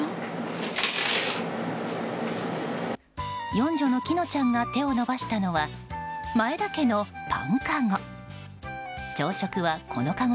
四女の葵乃ちゃんが手を伸ばしたのは前田家のパンかご。